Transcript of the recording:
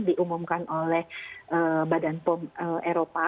diumumkan oleh badan pom eropa